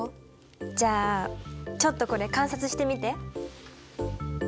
じゃあちょっとこれ観察してみて。